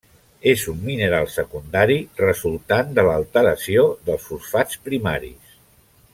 És un mineral secundari resultant de l'alteració dels fosfats primaris.